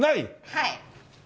はい。